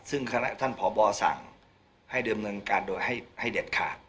ซึ่งคณะท่านพบสั่งให้เดิมเนินการโดยให้เด็ดขาด